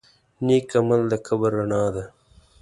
نیک عمل د قبر رڼا ده.